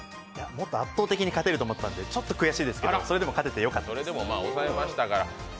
もっと圧倒的に勝てると思っててちょっと悔しいですけど、それでも勝ててよかったです。